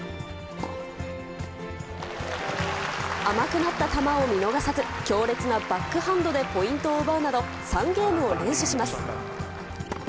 甘くなった球を見逃さず、強烈なバックハンドでポイントを奪うなど、３ゲームを連取します。